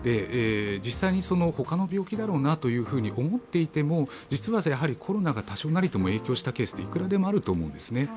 実際に他の病気だろうなと思っていても、実はコロナが多少なりとも影響したケースはいくらでもあると思うんですね。